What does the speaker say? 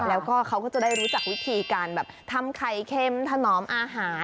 แล้วก็เขาก็จะได้รู้จักวิธีการแบบทำไข่เค็มถนอมอาหาร